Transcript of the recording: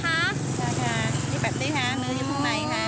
ใช่ค่ะนี่แบบนี้ค่ะเนื้อยิ้มใหม่ค่ะ